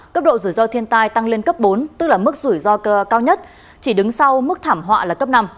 cấp độ rủi ro thiên tai tăng lên cấp bốn tức là mức rủi ro cao nhất chỉ đứng sau mức thảm họa là cấp năm